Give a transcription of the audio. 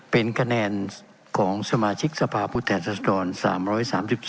เป็นคะแนนของสมาชิกสภาพผู้แทนรัศดร๓๓๒